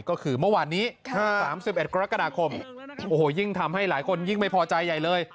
ก็คือเมื่อวานนี้๓๑กรกฎาคมโอ้โหยิ่งทำให้หลายคนยิ่งไม่พอใจใหญ่เลย